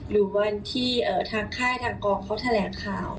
หรือวันที่ทางค่ายทางกองเขาแถลงข่าว